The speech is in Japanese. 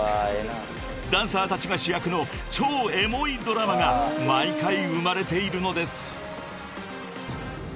［ダンサーたちが主役の超エモいドラマが毎回生まれているのです］